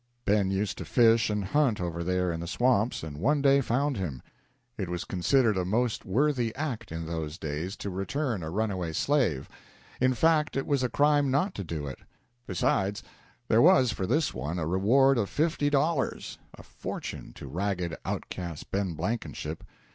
Ben used to fish and hunt over there in the swamps, and one day found him. It was considered a most worthy act in those days to return a runaway slave; in fact, it was a crime not to do it. Besides, there was for this one a reward of fifty dollars a fortune to ragged, out cast Ben Blankenship.